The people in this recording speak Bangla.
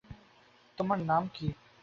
তোমার নাম কী?